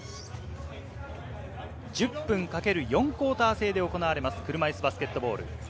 １０分×４クオーター制で行われます、車いすバスケットボール。